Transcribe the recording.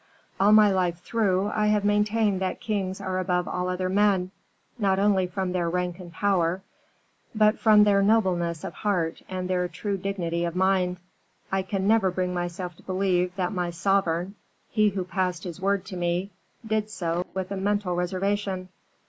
All my life through I have maintained that kings are above all other men, not only from their rank and power, but from their nobleness of heart and their true dignity of mind. I never can bring myself to believe that my sovereign, he who passed his word to me, did so with a mental reservation."